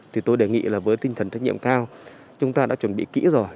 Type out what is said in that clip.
thì tôi đề nghị là với tinh thần trách nhiệm cao chúng ta đã chuẩn bị kỹ rồi